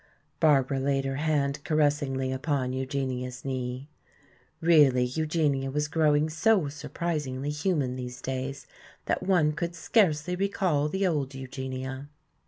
Barbara laid her hand caressingly upon Eugenia's knee. Really Eugenia was growing so surprisingly human these days that one could scarcely recall the old Eugenia.